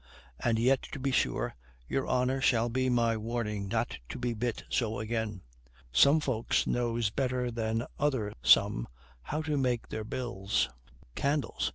And yet, to be sure, your honor shall be my warning not to be bit so again. Some folks knows better than other some how to make their bills. Candles!